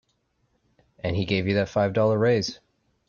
And he gave you that five dollar raise.